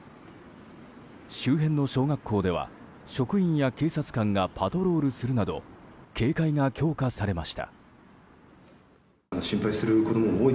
周辺の小学校では職員や警察官がパトロールするなど警戒が強化されました。